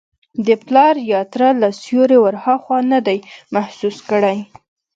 د پلار یا تره له سیوري وراخوا نه دی محسوس کړی.